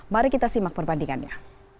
mari kita simak perbandingannya